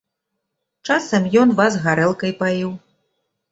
Часам ён вас гарэлкай паіў.